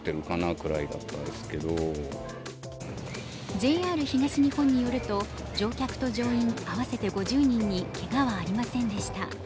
ＪＲ東日本によると乗客と乗員合わせて５０人にけがはありませんでした。